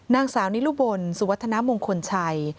นางสาวนิรุบลสุวัฒนามงคลชัย